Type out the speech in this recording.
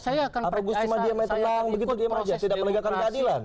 saya akan ikut proses demokrasi